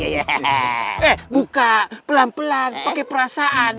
eh buka pelan pelan pakai perasaan